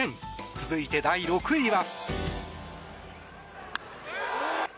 続いて、第６位は。